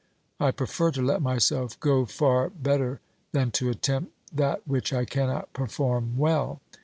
I prefer to let myself go far better than to attempt that which I cannot perform well.